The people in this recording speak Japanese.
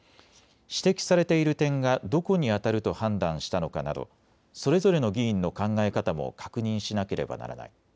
指摘されている点がどこにあたると判断したのかなどそれぞれの議員の考え方も確認しなければならない。